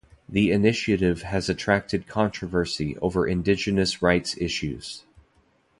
The initiative has attracted controversy over indigenous rights issues.